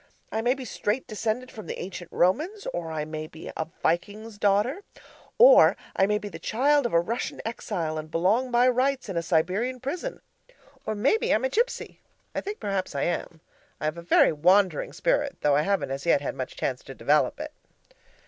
I may be straight descended from the ancient Romans, or I may be a Viking's daughter, or I may be the child of a Russian exile and belong by rights in a Siberian prison, or maybe I'm a Gipsy I think perhaps I am. I have a very WANDERING spirit, though I haven't as yet had much chance to develop it.